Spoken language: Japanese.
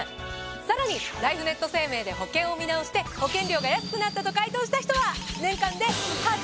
さらにライフネット生命で保険を見直して保険料が安くなったと回答した人は。